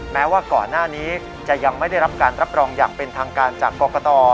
แม้ว่าก่อนหน้านี้จะยังไม่ได้รับการรับรองอย่างเป็นทางการจากกรกต